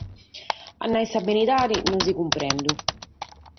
A nàrrere sa beridade non bos cumprendo.